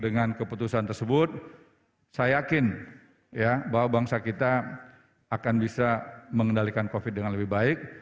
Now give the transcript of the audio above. dengan keputusan tersebut saya yakin bahwa bangsa kita akan bisa mengendalikan covid dengan lebih baik